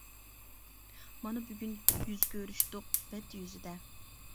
مانا بۈگۈن يۈز كۆرۈشتۇق بەت يۈزىدە.